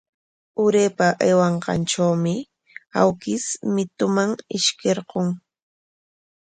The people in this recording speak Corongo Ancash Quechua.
Urapa aywaykanqantrawmi awkish mituman ishkirqun.